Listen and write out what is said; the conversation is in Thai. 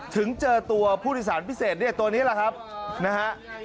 ถึงเจอตัวผู้โดยสารพิเศษเนี่ยตัวนี้แหละครับนะฮะ